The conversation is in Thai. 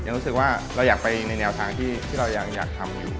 รู้สึกว่าเราอยากไปในแนวทางที่เรายังอยากทำอยู่